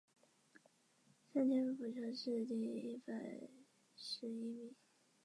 环境食物局唯一一任局长为任关佩英。